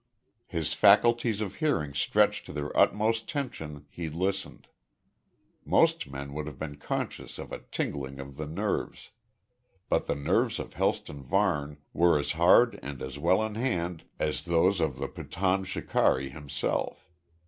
His faculties of hearing stretched to their utmost tension he listened. Most men would have been conscious of a tingling of the nerves, but the nerves of Helston Varne were as hard and as well in hand as those of the Pathan shikari himself.